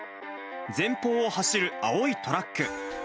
前方を走る青いトラック。